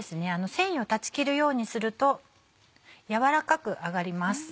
繊維を断ち切るようにすると軟らかく上がります。